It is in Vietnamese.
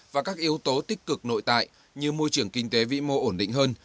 và các yếu tố tích cực nội tại như môi trường kinh tế vĩ mô ổn định hơn